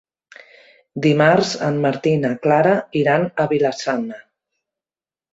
Dimarts en Martí i na Clara iran a Vila-sana.